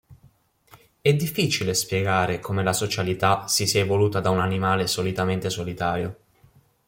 È difficile spiegare come la socialità si sia evoluta da un animale solitamente solitario.